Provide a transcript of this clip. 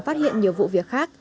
và phát hiện nhiều vụ việc khác